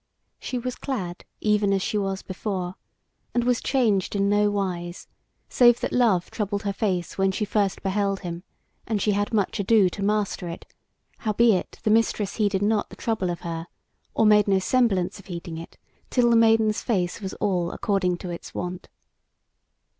She was clad even as she was before, and was changed in no wise, save that love troubled her face when she first beheld him, and she had much ado to master it: howbeit the Mistress heeded not the trouble of her, or made no semblance of heeding it, till the Maiden's face was all according to its wont.